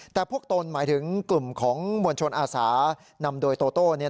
แต่พวกตนหมายถึงกลุ่มของมวลชนอาสานำโดยโตโต้